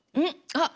あっ。